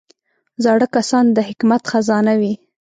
زاړه کسان د حکمت خزانه وي